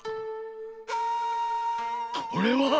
これは！